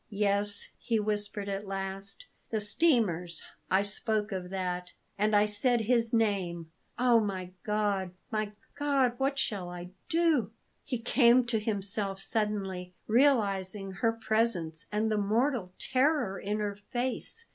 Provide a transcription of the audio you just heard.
"Yes," he whispered at last; "the steamers I spoke of that; and I said his name oh, my God! my God! What shall I do?" He came to himself suddenly, realizing her presence and the mortal terror in her face.